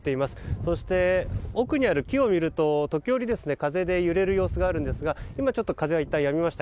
そして、奥にある木を見ると時折、風で揺れる様子があるんですが今、いったん風はやみました。